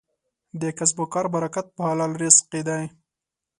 د کسب او کار برکت په حلال رزق کې دی.